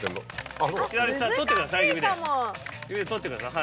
左下取ってください